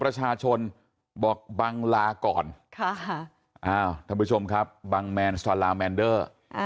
ประชาชนบอกบังลาก่อนท่านผู้ชมครับบังแมนซาลาแมนเดอร์